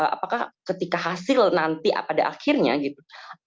apakah ketika hasil nanti pada akhirnya gitu